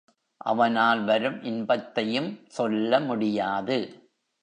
அவனால் வரும் இன்பத்தையும் சொல்ல முடியாது.